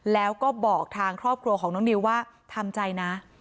แล้วก็บอกทางครอบครัวของน้องนิวว่าทำใจนะ